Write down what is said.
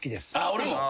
俺も。